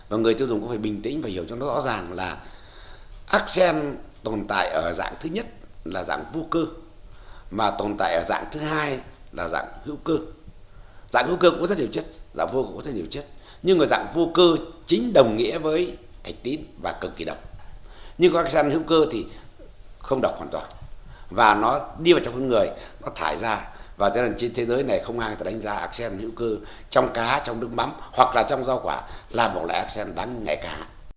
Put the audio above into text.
arsen hữu cơ thì không độc hoàn toàn và nó đi vào trong con người nó thải ra và trên thế giới này không ai có đánh giá arsen hữu cơ trong cá trong nước mắm hoặc là trong rau quả là một loại arsen đáng ngại cả